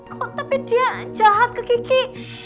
kok tapi dia jahat ke gigi